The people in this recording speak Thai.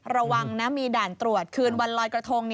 ระวังนะมีด่านตรวจคืนวันลอยกระทง